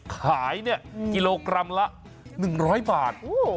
ขายเนี่ยกิโลกรัมละ๑๐๐บาท